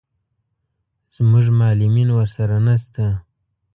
زموږ معلمین ورسره نه شته.